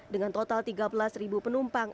dengan total tiga belas penumpang